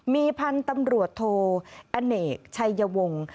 มีพันธุ์ตำรวจโทอเนกชัยวงศ์